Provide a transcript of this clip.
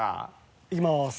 いきます。